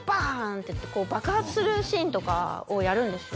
ッていって爆発するシーンとかをやるんですよ